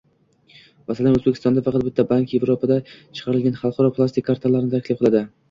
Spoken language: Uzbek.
Masalan, O'zbekistonda faqat bitta bank evroda chiqarilgan xalqaro plastik kartalarni taklif qiladi